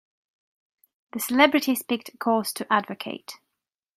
The celebrities picked a cause to advocate.